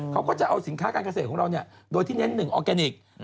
เขาก็จะเอาสินค้าการเกษตรของเราโดยที่เน้น๑ออร์แกนิค